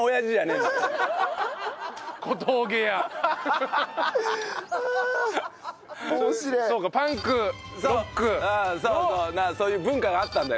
うんそうそうそういう文化があったんだよ。